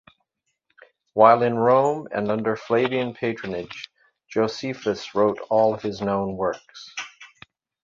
While in Rome and under Flavian patronage, Josephus wrote all of his known works.